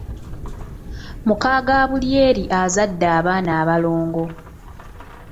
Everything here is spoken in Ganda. Muka Gabulyeri azadde abaana abalongo.